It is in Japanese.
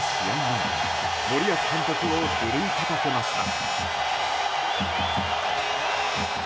前森保監督を奮い立たせました。